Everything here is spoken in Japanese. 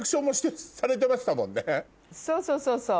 そうそうそう。